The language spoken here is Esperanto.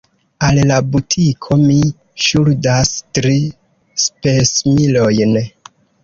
Al la butiko mi ŝuldas tri spesmilojn.